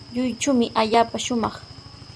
Lluychumi allaapa shumaq.